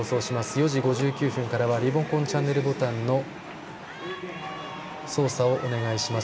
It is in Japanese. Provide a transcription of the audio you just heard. ４時５９分からはリモコンチャンネルボタン操作をお願いします。